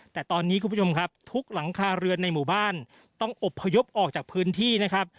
แต่ตอนนี้คุณผู้ชมครับทุกหลังคาเรือนในหมู่บ้านต้องอบพยพออกจากพื้นที่นะครับ